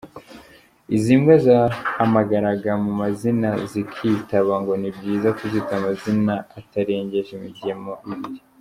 Izi mbwa yahamagaraga mu mazina zikitaba, ngo ni byiza kuzita amazina atarengeje imigemo ibiri.